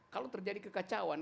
kalau terjadi kekacauan